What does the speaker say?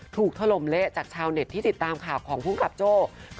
ถล่มเละจากชาวเน็ตที่ติดตามข่าวของภูมิกับโจ้